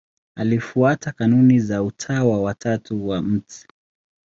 Alifuata kanuni za Utawa wa Tatu wa Mt.